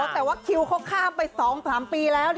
แต่ว่าคิวเค้าข้ามไปสองสามปีแล้วนะ